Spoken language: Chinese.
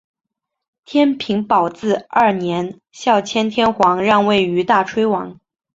天平宝字二年孝谦天皇让位于大炊王。